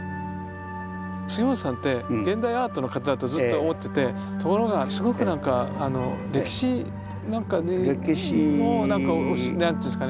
杉本さんって現代アートの方だとずっと思っててところがすごく何か歴史なんかにも何ていうんですかね